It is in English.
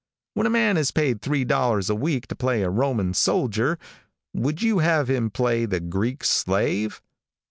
When a man is paid three dollars a week to play a Roman soldier, would you have him play the Greek slave?